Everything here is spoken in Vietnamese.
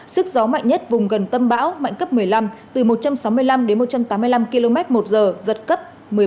sức gió mạnh nhất vùng gần tâm bão mạnh cấp một mươi năm từ một trăm sáu mươi năm đến một trăm tám mươi năm km một giờ giật cấp một mươi bảy